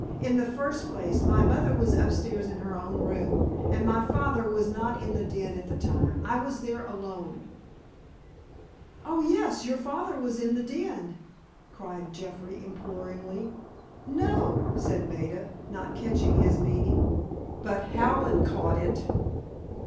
"In the first place, my mother was upstairs in her own room, and my father was not in the den at the time. I was there alone." "Oh, yes, your father was in the den," cried Jeffrey, imploringly. "No," said Maida, not catching his meaning. But Hallen caught it.